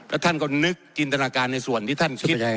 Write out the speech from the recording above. แล้วท่านก็นึกจินตนาการในส่วนที่ท่านคิด